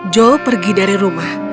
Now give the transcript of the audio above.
joe pergi dari rumah